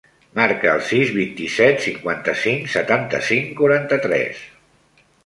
Marca el sis, vint-i-set, cinquanta-cinc, setanta-cinc, quaranta-tres.